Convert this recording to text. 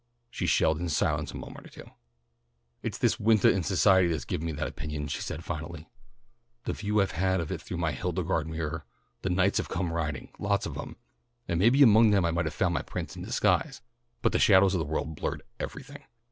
She shelled in silence a moment or two. "It's this wintah in society that's given me that opinion," she said finally. "The view I've had of it through my Hildegarde mirror. The knights have come riding, lots of them, and maybe among them I might have found my prince in disguise, but the shadows of the world blurred everything.